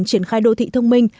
triển khai đô thị thông minh